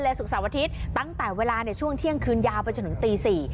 และสุขสาวอาทิตย์ตั้งแต่เวลาเนี้ยช่วงเที่ยงคืนยาวไปจนถึงตีสี่